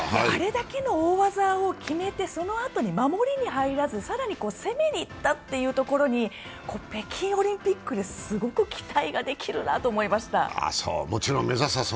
あれだけの大技を決めて、そのあとに守りに入らず、更に攻めにいったというところに北京オリンピックですごく期待ができるなと思いました。